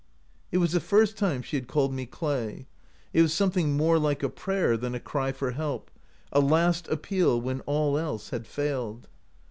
" It was the first time she had called me Clay. It was something more like a prayer than a cry for help — a last appeal when all else had failed.